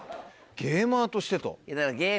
ゲーマーとしてと。